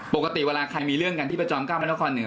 ปกติเวลาใครมีเรื่องกันที่ประจอม๙พระนครเหนือ